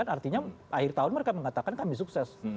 artinya akhir tahun mereka mengatakan kami sukses